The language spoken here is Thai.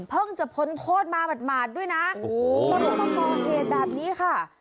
เพิ่งจะพ้นโทษมาหมาดด้วยนะแล้วมีประกอบเหตุแบบนี้ค่ะ